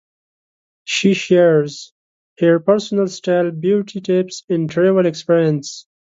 She shares her personal style, beauty tips, and travel experiences.